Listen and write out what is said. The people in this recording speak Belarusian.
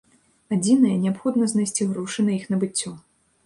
Адзінае, неабходна знайсці грошы на іх набыццё.